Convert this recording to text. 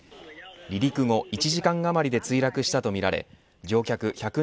離陸を１時間あまりで墜落したとみられ乗客１２３